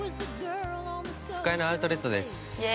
◆深谷のアウトレットです。